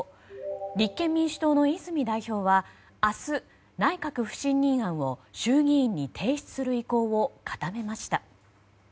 立憲民主党の泉代表は明日、内閣不信任案を衆議院に提出する意向を固めました。